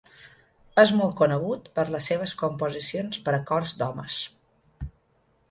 És molt conegut per les seves composicions per a cors d'homes.